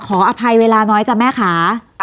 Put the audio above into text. ขออภัยเวลาน้อยจ้ะแม่ค่ะ